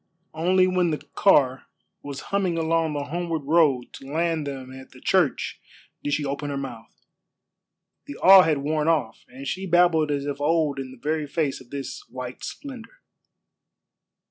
Only when the car was humming along the homeward road to land them at the church did she open her mouth. The awe had worn off, and she babbled as of old in the very face of this white splendor.